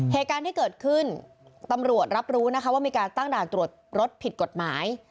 เหตุการณ์ที่เกิดขึ้นตำรวจรับรู้นะคะว่ามีการตั้งด่านตรวจรถผิดกฎหมาย